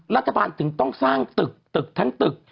รัฐบาลถึงต้องสร้างตึกตึกทั้งตึก